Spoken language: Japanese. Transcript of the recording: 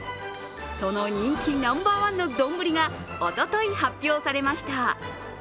その人気ナンバーワンの丼がおととい発表されました。